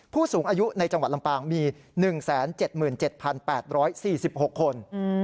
ผู้สูงอายุในจังหวัดลำปางมี๑๗๗๘๔๖คน